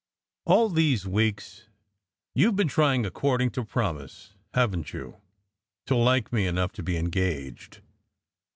All these weeks you ve been trying, ac cording to promise, haven t you, to like me enough to be engaged?